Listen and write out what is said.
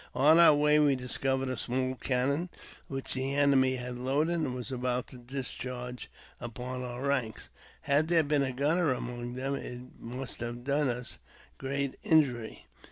On our way we discovered a small cannon which the enemy had loaded and was about to discharge upon our ranks. Had there been a gunner among them, it must have done us great injury.